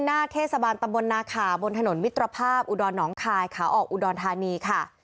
หน้าเทศบาลตำบลนาขาบนถนนมิตรภาพอุดรหนองคายขาออกอุดรธานีค่ะ